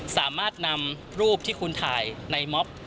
สามารถนำรูปที่คุณถ่ายในม็อบ